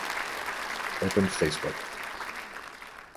Open Facebook.